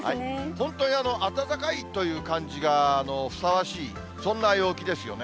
本当に暖かい感じがふさわしい、そんな陽気ですよね。